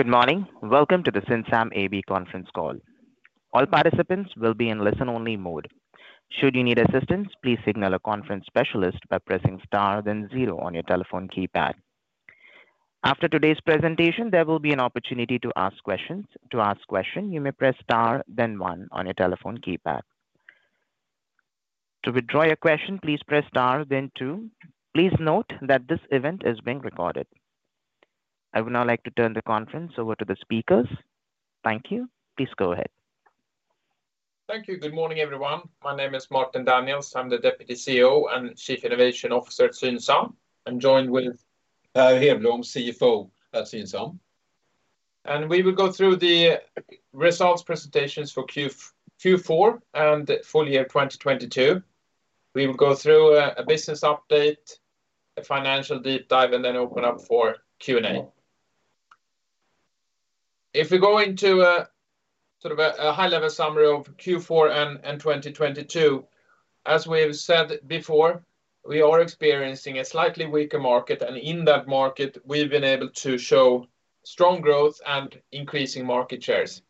Good morning. Welcome to the Synsam AB conference call. All participants will be in listen only mode. Should you need assistance, please signal a conference specialist by pressing Star then Zero on your telephone keypad. After today's presentation, there will be an opportunity to ask questions. To ask question, you may press Star then One on your telephone keypad. To withdraw your question, please press Star then Two. Please note that this event is being recorded. I would now like to turn the conference over to the speakers. Thank you. Please go ahead. Thank you. Good morning, everyone. My name is Martin Daniels, I'm the Deputy CEO and Chief Innovation Officer at Synsam. I'm joined with Per Hedblom, CFO at Synsam. We will go through the results presentations for Q4 and full year 2022. We will go through a business update, a financial deep dive, and then open up for Q&A. If we go into a sort of a high-level summary of Q4 and 2022, as we have said before, we are experiencing a slightly weaker market, and in that market, we've been able to show strong growth and increasing market shares.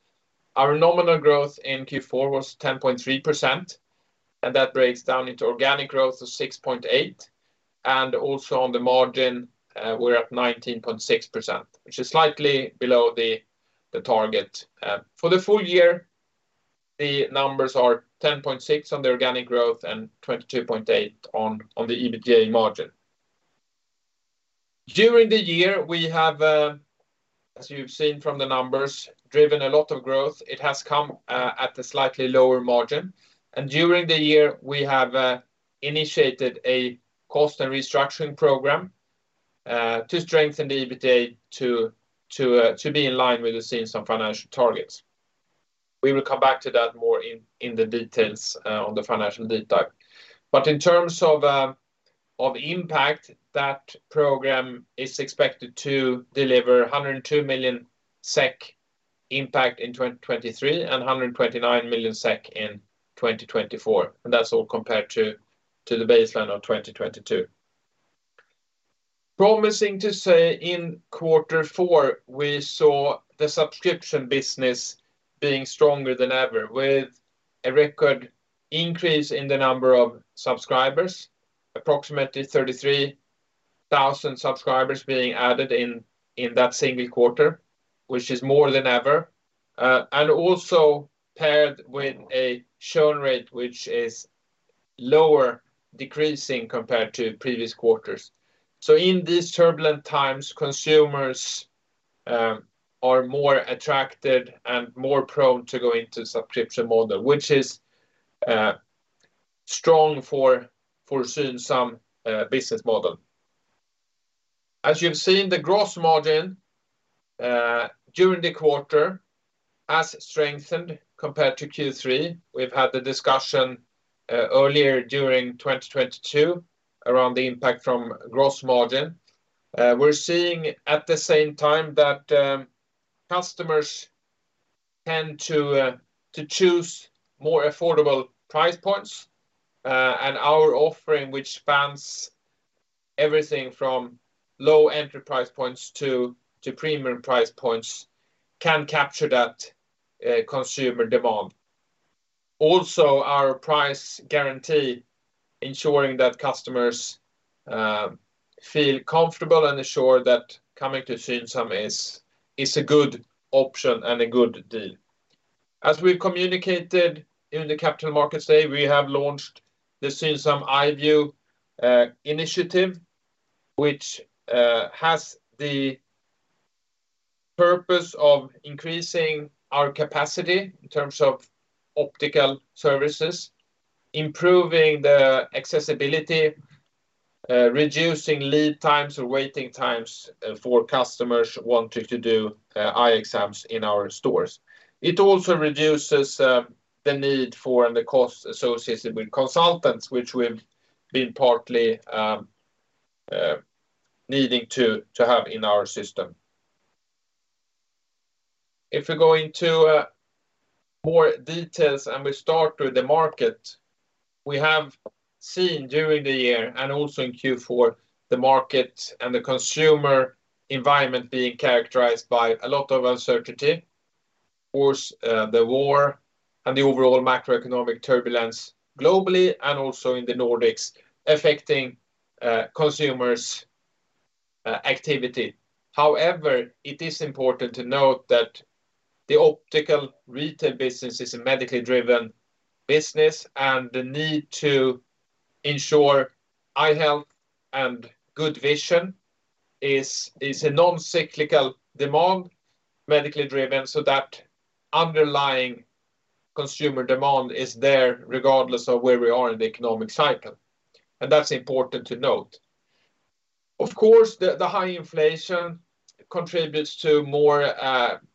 Our nominal growth in Q4 was 10.3%, and that breaks down into organic growth of 6.8%. Also on the margin, we're at 19.6%, which is slightly below the target. For the full year, the numbers are 10.6% on the organic growth and 22.8% on the EBITA margin. During the year, we have, as you've seen from the numbers driven a lot of growth, it has come at a slightly lower margin. During the year, we have initiated a cost and restructuring program to strengthen the EBITA to be in line with the Synsam financial targets. We will come back to that more in the details on the financial deep dive. In terms of impact, that program is expected to deliver 102 million SEK impact in 2023 and 129 million SEK in 2024, and that's all compared to the baseline of 2022. Promising to say in quarter four, we saw the subscription business being stronger than ever with a record increase in the number of subscribers, approximately 33,000 subscribers being added in that single quarter, which is more than ever. Also paired with a churn rate which is lower decreasing compared to previous quarters. So in these turbulent times, consumers are more attracted and more prone to go into subscription model, which is strong for Synsam business model. As you've seen, the gross margin during the quarter has strengthened compared to Q3. We've had the discussion earlier during 2022 around the impact from gross margin. We're seeing at the same time that customers tend to choose more affordable price points. Our offering, which spans everything from low entry price points to premium price points, can capture that consumer demand. Also, our price guarantee ensuring that customers feel comfortable and assured that coming to Synsam is a good option and a good deal. As we've communicated in the Capital Markets Day, we have launched the Synsam EyeView initiative, which has the purpose of increasing our capacity in terms of optical services, improving the accessibility, reducing lead times or waiting times for customers wanting to do eye exams in our stores. It also reduces the need for and the cost associated with consultants, which we've been partly needing to have in our system. If we go into more details and we start with the market. We have seen during the year and also in Q4, the market and the consumer environment being characterized by a lot of uncertainty. Of course, the war and the overall macroeconomic turbulence globally and also in the Nordics affecting consumers' activity. However, it is important to note that the optical retail business is a medically driven business and the need to ensure eye health and good vision is a non-cyclical demand, medically driven, so that underlying consumer demand is there regardless of where we are in the economic cycle and that's important to note. Of course, the high inflation contributes to more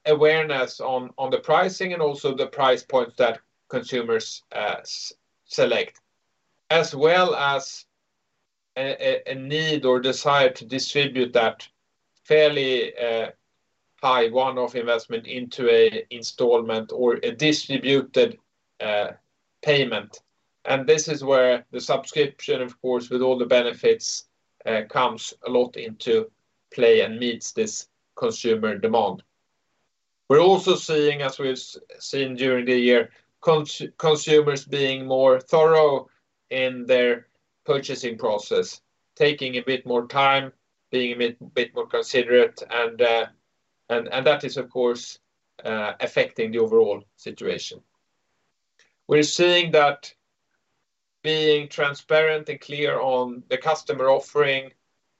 awareness on the pricing and also the price point that consumers select, as well as a need or desire to distribute that fairly high one-off investment into a installment or a distributed payment. This is where the subscription of course, with all the benefits comes a lot into play and meets this consumer demand. We're also seeing as we've seen during the year, consumers being more thorough in their purchasing process, taking a bit more time, being a bit more considerate and that is, of course, affecting the overall situation. We're seeing that being transparent and clear on the customer offering,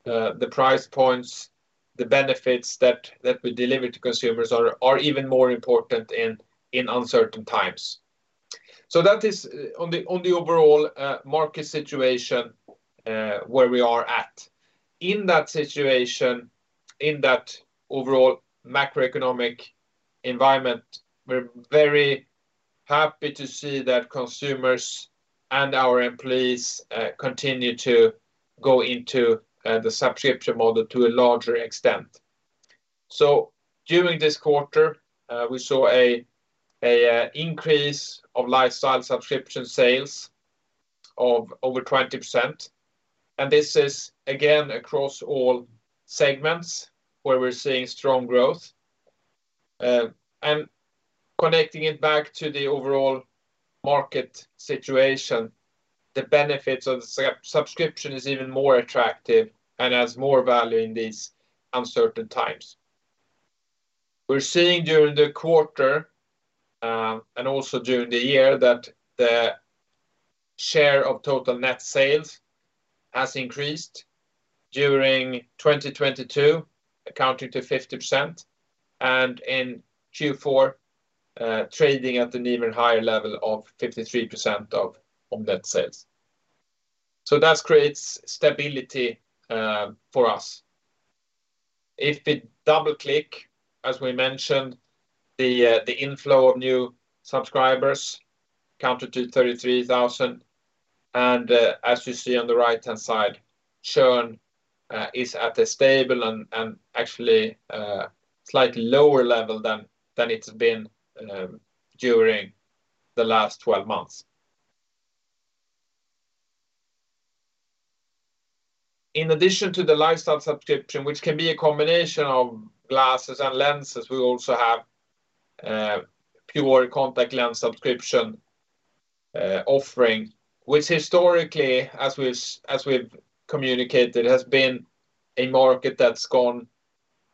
the price points, the benefits that we deliver to consumers are even more important in uncertain times. That is on the overall market situation, where we are at. In that situation, in that overall macroeconomic environment, we're very happy to see that consumers and our employees continue to go into the subscription model to a larger extent. During this quarter, we saw an increase of lifestyle subscription sales of over 20%, and this is again across all segments where we're seeing strong growth. Connecting it back to the overall market situation, the benefits of sub-subscription is even more attractive and has more value in these uncertain times. We're seeing during the quarter, and also during the year that the share of total net sales has increased during 2022 accounting to 50% and in Q4, trading at an even higher level of 53% of net sales. That creates stability for us. If we double click, as we mentioned, the inflow of new subscribers counted to 33,000 and as you see on the right-hand side, churn is at a stable and actually slightly lower level than it's been during the last 12 months. In addition to the lifestyle subscription, which can be a combination of glasses and lenses, we also have pure contact lens subscription offering, which historically as we've communicated, has been a market that's gone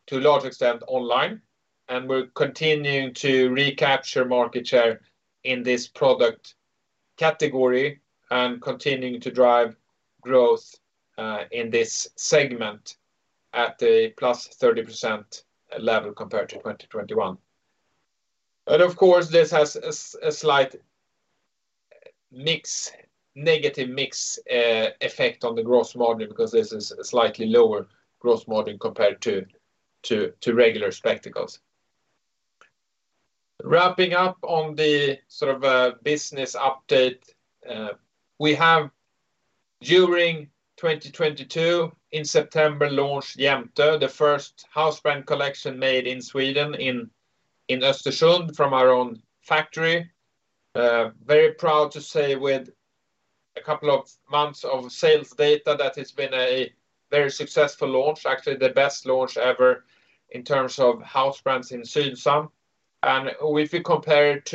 to a large extent online, and we're continuing to recapture market share in this product category and continuing to drive growth in this segment at a +30% level compared to 2021. Of course, this has a slight mix, negative mix, effect on the gross margin because this is a slightly lower gross margin compared to regular spectacles. Wrapping up on the sort of business update, we have during 2022 in September launched Jämtö, the first house brand collection made in Sweden in Östersund from our own factory. Very proud to say with a couple of months of sales data that it's been a very successful launch, actually the best launch ever in terms of house brands in Synsam. If you compare it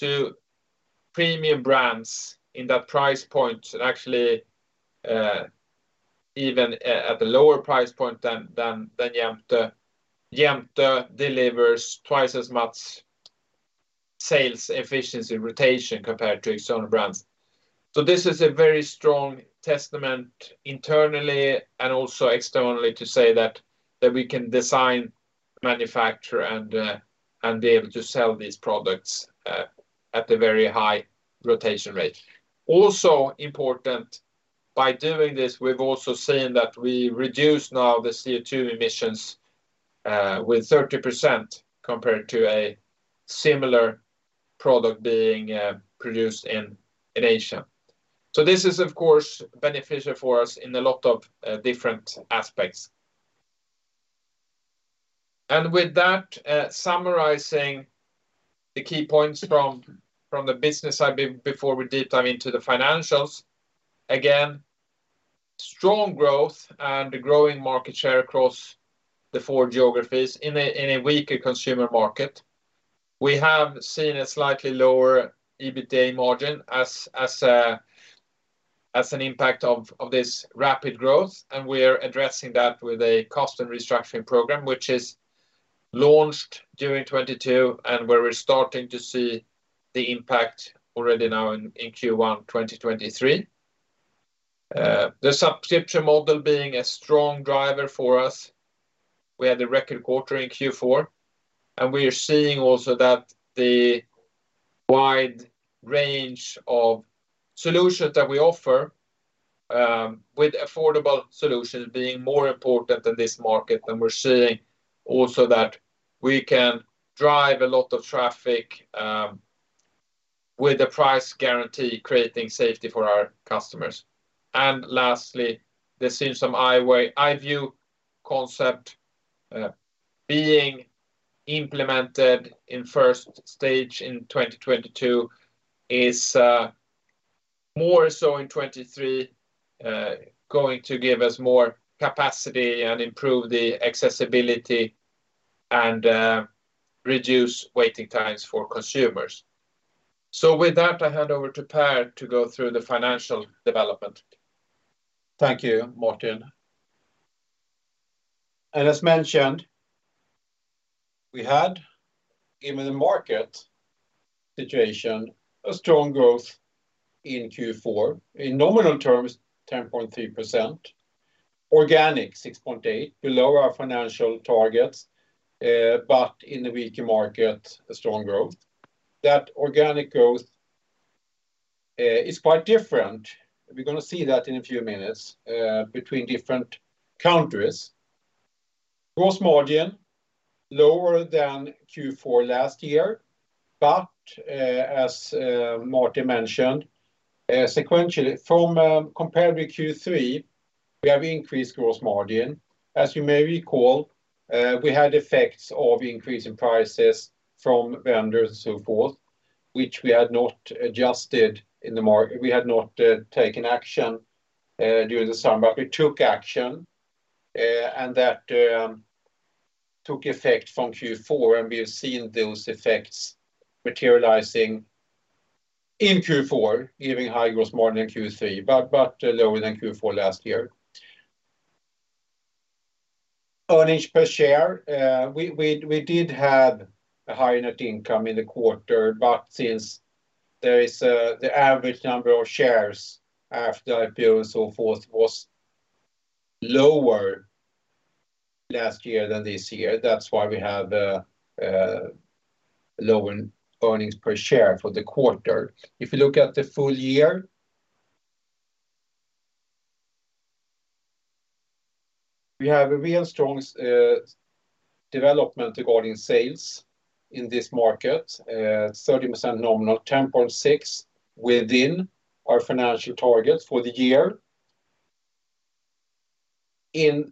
to premium brands in that price point and actually, even at the lower price point than Jämtö delivers twice as much sales efficiency rotation compared to its own brands. This is a very strong testament internally and also externally to say that we can design, manufacture, and be able to sell these products at a very high rotation rate. Also important by doing this, we've also seen that we reduce now the CO2 emissions with 30% compared to a similar product being produced in Asia. This is of course beneficial for us in a lot of different aspects. With that, summarizing the key points from the business side before we deep dive into the financials, again, strong growth and the growing market share across the four geographies in a weaker consumer market. We have seen a slightly lower EBITDA margin as an impact of this rapid growth, and we're addressing that with a cost and restructuring program, which is launched during 2022 and where we're starting to see the impact already now in Q1 2023. The subscription model being a strong driver for us. We had a record quarter in Q4, and we are seeing also that the wide range of solutions that we offer, with affordable solutions being more important in this market than we're seeing also that we can drive a lot of traffic with the price guarantee creating safety for our customers. Lastly, the Synsam EyeView, eye view concept, being implemented in first stage in 2022 is, more so in 2023, going to give us more capacity and improve the accessibility and reduce waiting times for consumers. So with that, I hand over to Per to go through the financial development. Thank you Martin. As mentioned, we had in the market situation a strong growth in Q4. In nominal terms, 10.3%. Organic 6.8% below our financial targets. In the weaker market, a strong growth. That organic growth is quite different. We're gonna see that in a few minutes between different countries. Gross margin lower than Q4 last year, as Martin mentioned, sequentially from compared with Q3, we have increased gross margin. As you may recall, we had effects of increase in prices from vendors and so forth, which we had not adjusted we had not taken action during the summer. We took action, and that took effect from Q4, and we have seen those effects materializing in Q4, giving high gross margin Q3 but lower than Q4 last year. Earnings per share. We did have a higher net income in the quarter, but since there is the average number of shares after IPO and so forth was lower last year than this year, that's why we have lower earnings per share for the quarter. If you look at the full year, we have a real strong development regarding sales in this market. 30% nominal, 10.6% within our financial targets for the year in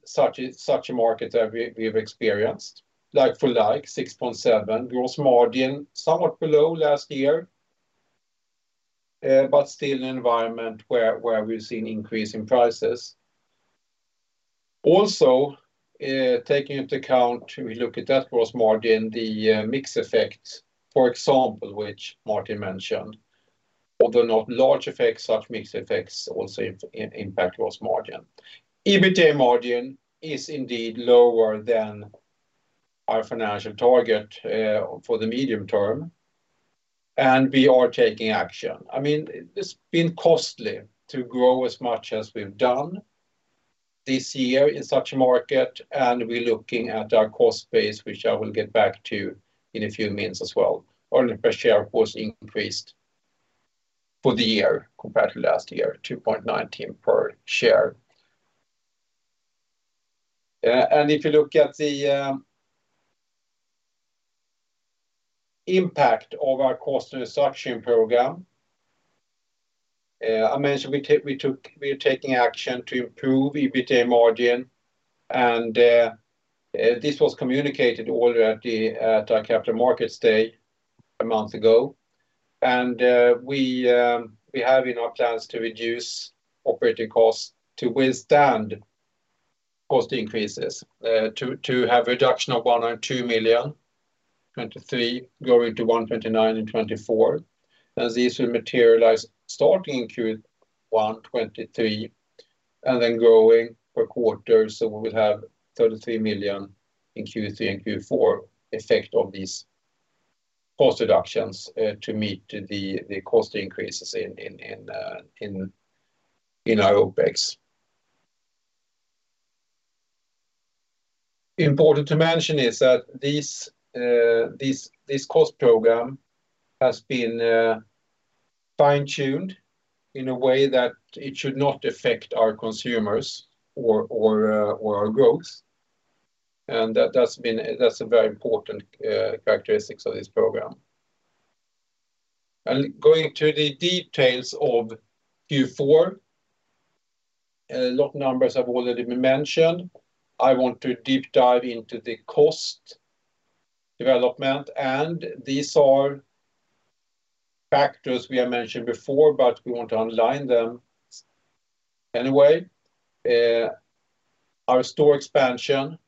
such a market that we've experienced. Like-for-like 6.7%. Gross margin somewhat below last year, but still an environment where we've seen increase in prices. Also taking into account, we look at that gross margin, the mix effect, for example, which Martin mentioned. Although not large effects, such mix effects also impact gross margin. EBITDA margin is indeed lower than our financial target for the medium term, and we are taking action. I mean, it's been costly to grow as much as we've done this year in such a market, and we're looking at our cost base which I will get back to in a few minutes as well. Earnings per share, of course, increased for the year compared to last year, 2.19 per share. If you look at the impact of our cost reduction program, I mentioned we are taking action to improve EBITDA margin. This was communicated already at our Capital Markets Day a month ago. We have in our plans to reduce operating costs to withstand cost increases, to have reduction of 102 million in 2023, growing to 129 million in 2024, as these will materialize starting in Q1 2023 and then growing per quarter. We will have 33 million in Q3 and Q4 effect of these cost reductions, to meet the cost increases in our OpEx. Important to mention is that this cost program has been fine-tuned in a way that it should not affect our consumers or our growth. That's a very important characteristics of this program. Going to the details of Q4, a lot of numbers have already been mentioned. I want to deep dive into the cost development, and these are factors we have mentioned before, but we want to underline them anyway. Our store expansion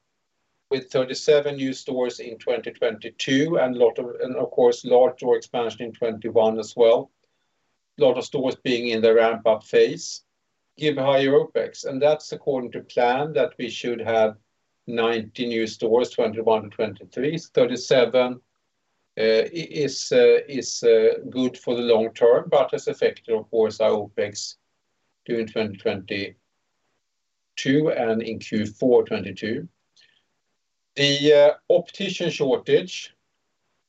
with 37 new stores in 2022 and of course, larger expansion in 2021 as well. Lot of stores being in the ramp-up phase give higher OpEx, and that's according to plan that we should have 90 new stores, 2021 and 2023. 37 is good for the long term but has affected, of course, our OpEx during 2022 and in Q4 2022. The optician shortage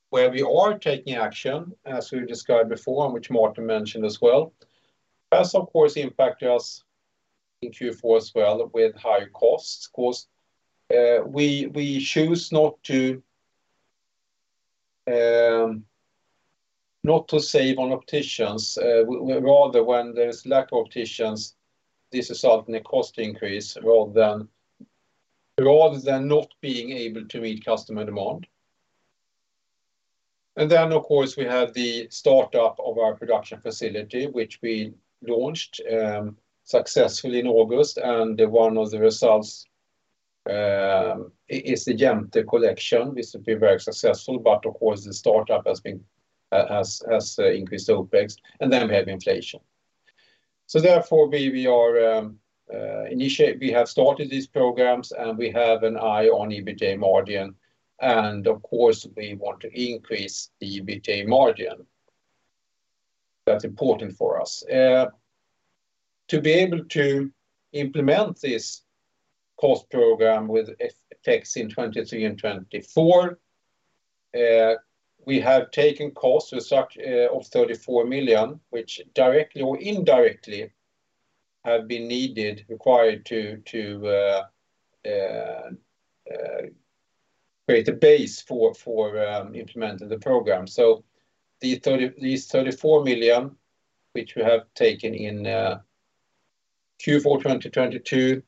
where we are taking action, as we described before and which Martin mentioned as well, has of course impacted us in Q4 as well with higher costs. Costs, we choose not to save on opticians, rather when there is lack of opticians, this is often a cost increase rather than, rather than not being able to meet customer demand. Then of course, we have the startup of our production facility, which we launched successfully in August. One of the results is the Jämtö collection, which has been very successful, but of course, the startup has increased OpEx, and then we have inflation. Therefore, we have started these programs. Of course, we have an eye on EBITA margin, and we want to increase the EBITA margin. That's important for us. To be able to implement this cost program with effects in 2023 and 2024, we have taken costs of such of 34 million, which directly or indirectly have been needed, required to create a base for implementing the program. These 34 million, which we have taken in Q4 2022,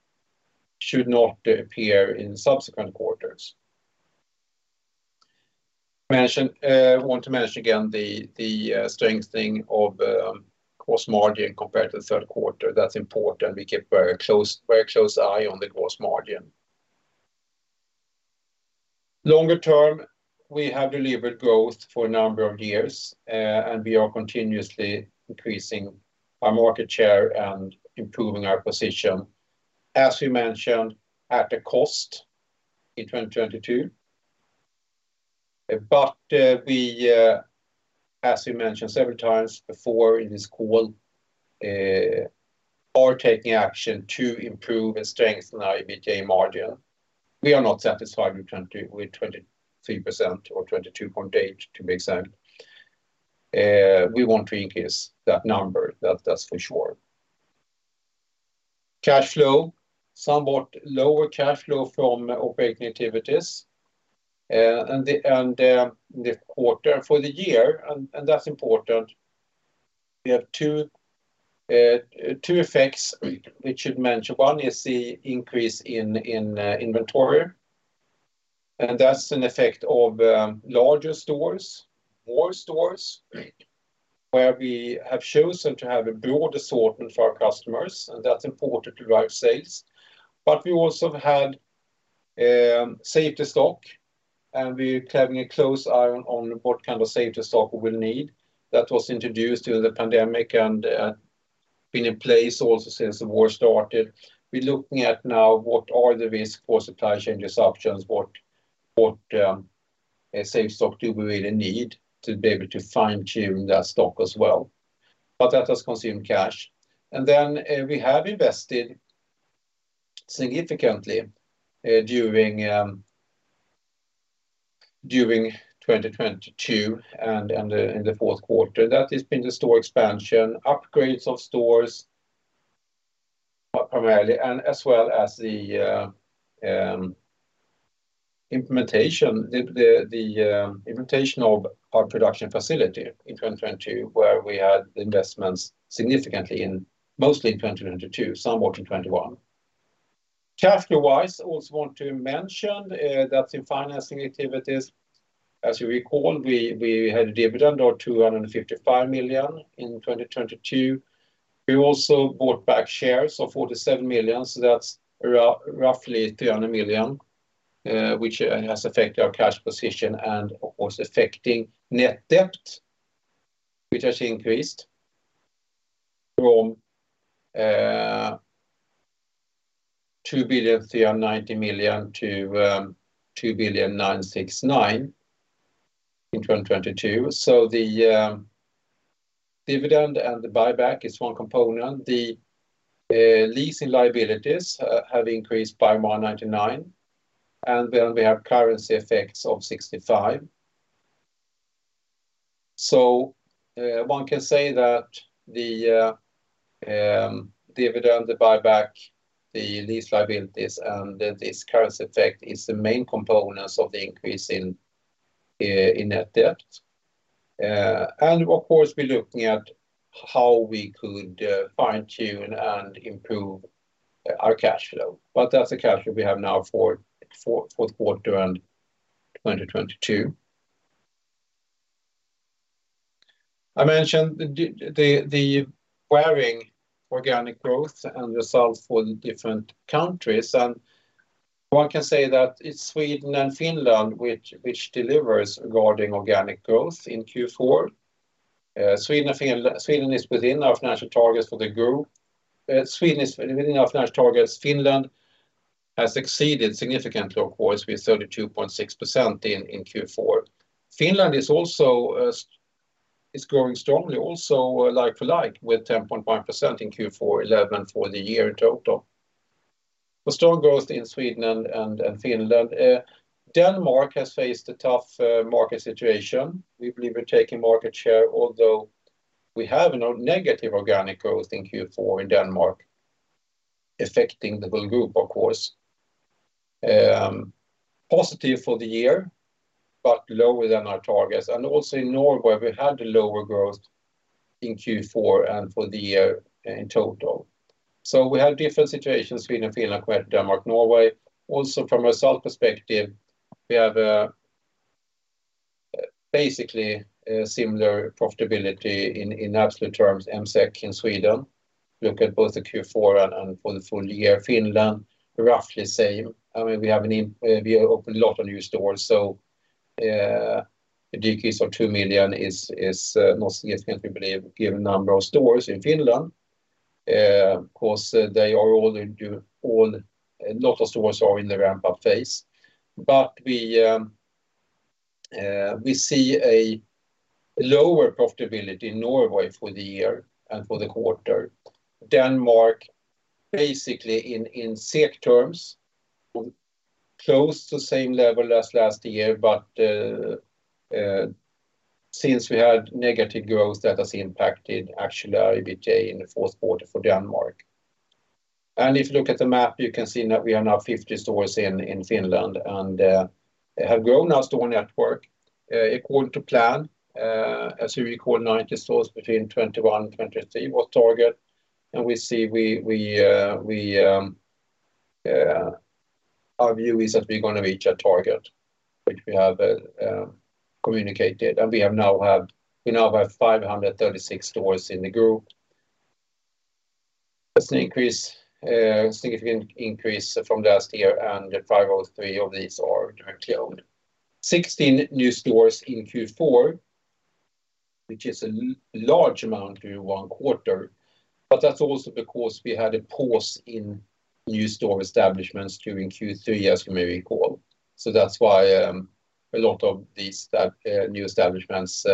should not appear in subsequent quarters. Want to mention again the strengthening of gross margin compared to the third quarter. That's important. We keep very close eye on the gross margin. Longer term, we have delivered growth for a number of years, and we are continuously increasing our market share and improving our position, as we mentioned, at a cost in 2022. We, as we mentioned several times before in this call, are taking action to improve and strengthen our EBITA margin. We are not satisfied with 23% or 22.8%, to be exact. We want to increase that number. That's for sure. Cash flow, somewhat lower cash flow from operating activities, and the quarter for the year. That's important. We have 2 effects we should mention. One is the increase in inventory. That's an effect of larger stores, more stores, where we have chosen to have a broad assortment for our customers, and that's important to drive sales. We also had safety stock, and we're keeping a close eye on what kind of safety stock we will need. That was introduced during the pandemic and been in place also since the war started. We're looking at now what are the risks for supply chain disruptions, what safety stock do we really need to be able to fine-tune that stock as well. That has consumed cash. Then, we have invested significantly, during 2022 and in the fourth quarter. That has been the store expansion, upgrades of stores primarily, and as well as the implementation of our production facility in 2022, where we had investments significantly in mostly in 2022, somewhat in 2021. Cash flow-wise, also want to mention that in financing activities, as you recall, we had a dividend of 255 million in 2022. We also bought back shares of 47 million, so that's roughly 300 million, which has affected our cash position and of course affecting net debt, which has increased from 2,390 million to 2,969 million in 2022. The dividend and the buyback is one component. The leasing liabilities have increased by 199 million, and then we have currency effects of 65 million. One can say that the dividend, the buyback, the lease liabilities, and this currency effect is the main components of the increase in net debt. Of course, we're looking at how we could fine-tune and improve our cash flow. That's the cash flow we have now for fourth quarter and 2022. I mentioned the varying organic growth and results for the different countries. One can say that it's Sweden and Finland which delivers regarding organic growth in Q4. Sweden and Finland, Sweden is within our financial targets for the group. Sweden is within our financial targets. Finland has exceeded significantly, of course, with 32.6% in Q4. Finland is also growing strongly also like-for-like with 10.1% in Q4, 11 for the year total. Strong growth in Sweden and Finland. Denmark has faced a tough market situation. We believe we're taking market share, although we have a negative organic growth in Q4 in Denmark. Affecting the whole group, of course. Positive for the year, lower than our targets. Also in Norway, we had lower growth in Q4 and for the year in total. We have different situations, Sweden, Finland, Denmark, Norway. Also from a result perspective, we have basically a similar profitability in absolute terms MSEK in Sweden. Look at both the Q4 and for the full year. Finland, roughly same. I mean, we opened a lot of new stores. A decrease of 2 million is not significantly given number of stores in Finland. Of course, they are all in all. A lot of stores are in the ramp-up phase. We see a lower profitability in Norway for the year and for the quarter. Denmark, basically in SEK terms, close to same level as last year. Since we had negative growth that has impacted actually our EBIT in the fourth quarter for Denmark. If you look at the map, you can see that we are now 50 stores in Finland, and have grown our store network according to plan as we record 90 stores between 2021 and 2023 was target. We see our view is that we're gonna reach our target, which we have communicated. We now have 536 stores in the group. That's an increase, significant increase from last year, and 503 of these are directly owned. 16 new stores in Q4, which is a large amount in 1 quarter. That's also because we had a pause in new store establishments during Q3, as you may recall. So that's why a lot of these, that, new establishments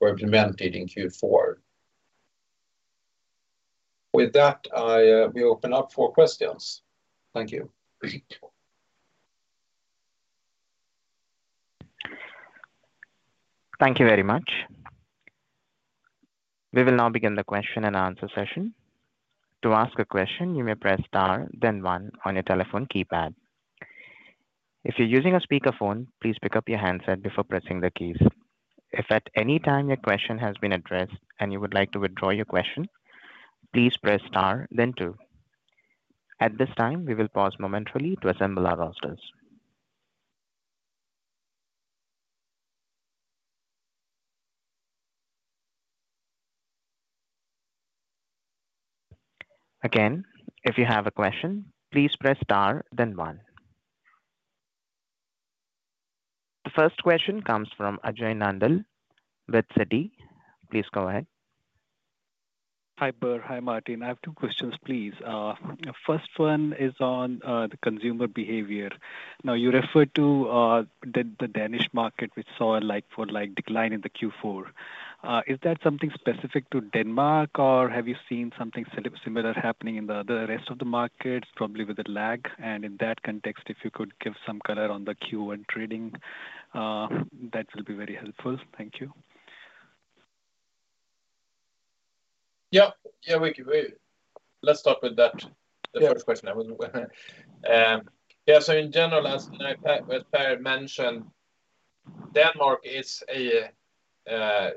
were implemented in Q4. With that, I will open up for questions. Thank you. Thank you very much. We will now begin the question and answer session. To ask a question, you may press star then one on your telephone keypad. If you're using a speakerphone, please pick up your handset before pressing the keys. If at any time your question has been addressed and you would like to withdraw your question, please press star then two. At this time, we will pause momentarily to assemble our rosters. Again, if you have a question, please press star then one. The first question comes from Ajay Nandal with Citi. Please go ahead. Hi Per. Hi Martin. I have two questions, please. First one is on the consumer behavior. Now, you referred to the Danish market, which saw a like-for-like decline in the Q4. Is that something specific to Denmark or have you seen something similar happening in the other rest of the markets, probably with a lag? In that context, if you could give some color on the Q1 trading, that will be very helpful. Thank you. Yeah. Yeah, we can. Let's start with that. Yeah. The first question. Yeah. In general, as, you know, as Per mentioned, Denmark is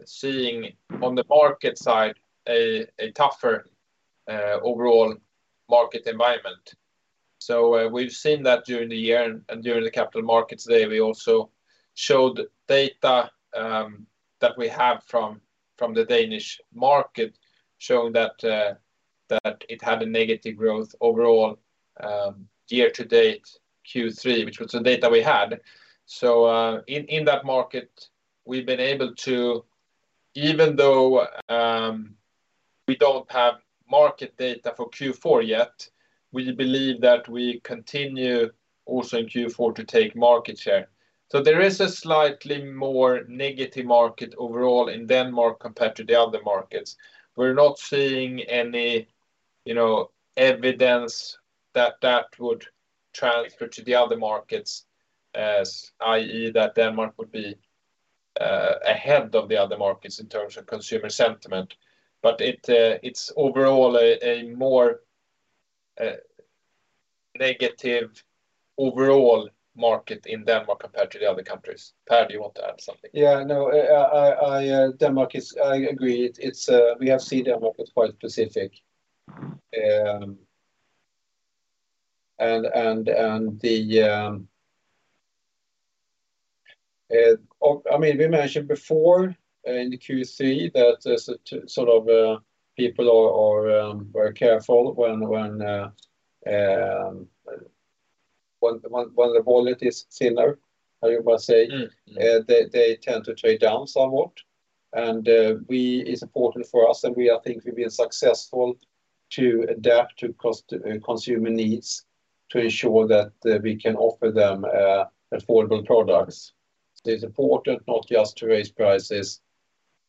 seeing on the market side a tougher overall market environment. We've seen that during the year and during the Capital Markets Day. We also showed data that we have from the Danish market showing that it had a negative growth overall year to date, Q3, which was the data we had. In that market, we've been able to. Even though we don't have market data for Q4 yet, we believe that we continue also in Q4 to take market share. There is a slightly more negative market overall in Denmark compared to the other markets. We're not seeing any, you know, evidence that that would transfer to the other markets as, i.e., that Denmark would be ahead of the other markets in terms of consumer sentiment. It's overall a more negative overall market in Denmark compared to the other countries. Per, do you want to add something? Denmark is... I agree. We have seen Denmark, it's quite specific. And the I mean, we mentioned before, in the Q3 that there's a sort of, people are very careful when the wallet is thinner, how you might say. Mm-hmm. They tend to trade down somewhat. It's important for us, and we, I think we've been successful to adapt to consumer needs to ensure that we can offer them affordable products. It's important not just to raise prices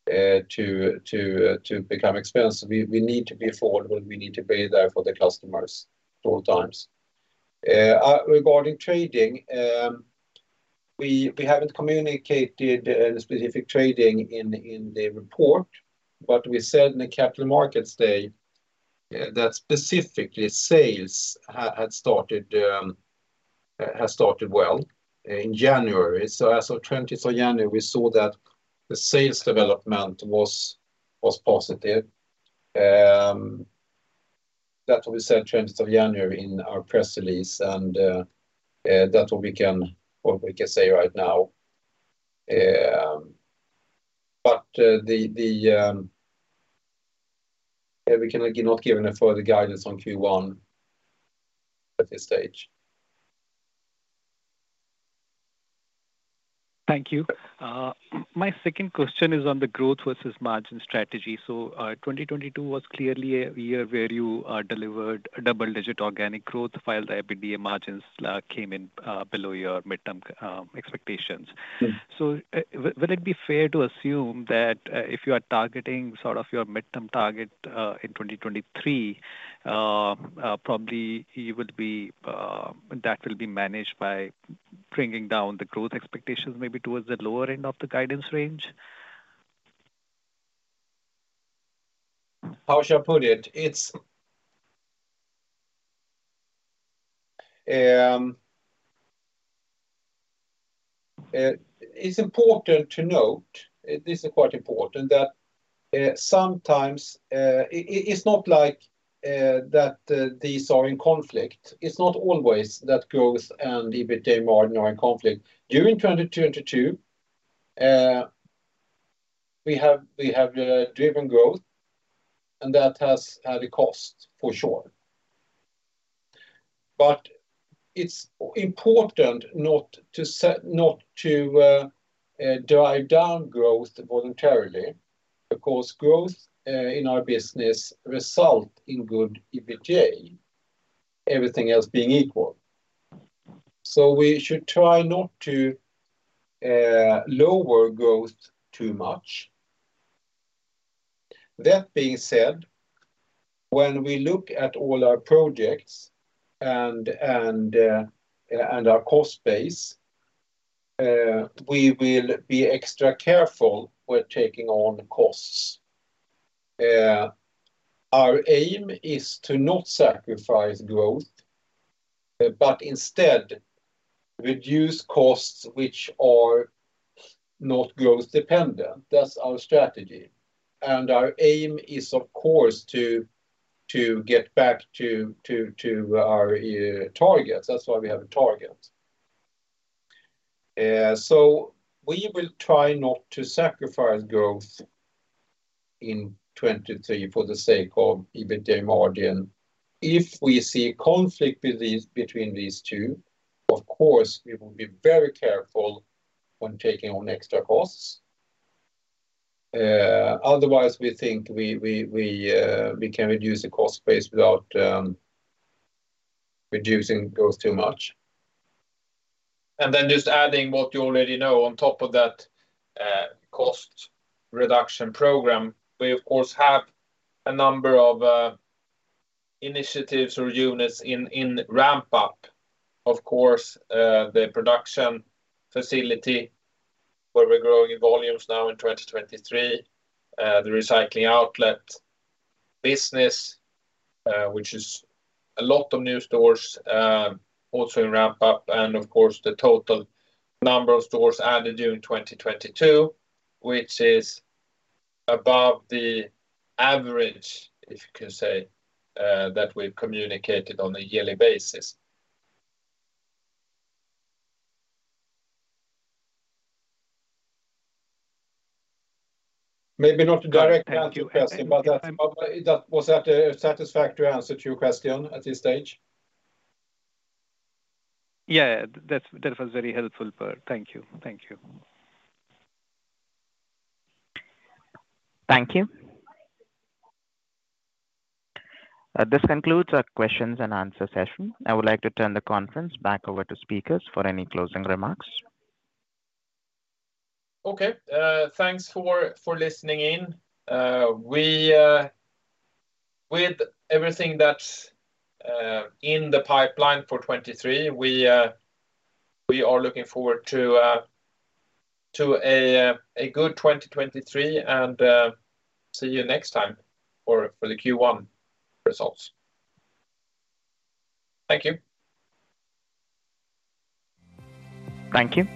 to become expensive. We need to be affordable. We need to be there for the customers at all times. Regarding trading, We haven't communicated specific trading in the report, but we said in the Capital Markets Day that specifically sales had started well in January. As of 20th of January, we saw that the sales development was positive. That we said 20th of January in our press release, that's what we can say right now. The... Yeah we cannot give any further guidance on Q1 at this stage. Thank you. My second question is on the growth versus margin strategy. 2022 was clearly a year where you delivered double-digit organic growth while the EBITDA margins came in below your midterm expectations. Yes. Will it be fair to assume that, if you are targeting sort of your midterm target, in 2023, probably you would be, that will be managed by bringing down the growth expectations maybe towards the lower end of the guidance range? How should I put it? It's important to note, this is quite important, that sometimes, It's not like that these are in conflict. It's not always that growth and EBITDA margin are in conflict. During 2022, we have driven growth, and that has had a cost for sure But it's important not to drive down growth voluntarily because growth in our business result in good EBITDA, everything else being equal. We should try not to lower growth too much. That being said, while we look at all our projects and our cost base, we will be extra careful with taking on costs. Our aim is to not sacrifice growth, but instead reduce costs which are not growth-dependent. That's our strategy. Our aim is of course, to get back to our targets. That's why we have a target. We will try not to sacrifice growth in 2023 for the sake of EBITDA margin. If we see conflict between these two, of course, we will be very careful when taking on extra costs. Otherwise, we think we can reduce the cost base without reducing growth too much. Then just adding what you already know on top of that cost reduction program, we of course have a number of initiatives or units in ramp-up. Of course, the production facility where we're growing in volumes now in 2023, the recycling outlet business, which is a lot of new stores, also in ramp-up, and of course the total number of stores added during 2022, which is above the average, if you can say, that we've communicated on a yearly basis. Maybe not a direct answer to your question, but that. Thank you. Thank you Was that a satisfactory answer to your question at this stage? Yeah. That was very helpful. Thank you. Thank you. Thank you. This concludes our questions and answer session. I would like to turn the conference back over to speakers for any closing remarks. Okay, thanks for listening in. With everything that's in the pipeline for 2023, we are looking forward to a good 2023. See you next time for the Q1 results. Thank you. Thank you.